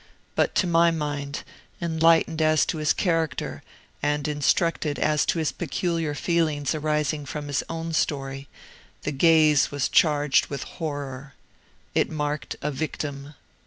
But to my mind, enlightened as to his character, and instructed as to his peculiar feelings arising from his own story, the gaze was charged with horror. It marked a victim.